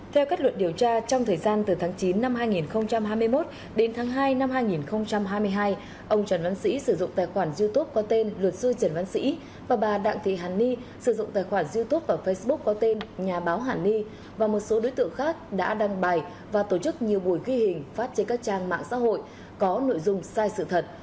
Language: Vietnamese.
theo các luật điều tra trong thời gian từ tháng chín năm hai nghìn hai mươi một đến tháng hai năm hai nghìn hai mươi hai ông trần văn sĩ sử dụng tài khoản youtube có tên luật sư trần văn sĩ và bà đặng thị hàn ni sử dụng tài khoản youtube và facebook có tên nhà báo hàn ni và một số đối tượng khác đã đăng bài và tổ chức nhiều buổi ghi hình phát trên các trang mạng xã hội có nội dung sai sự thật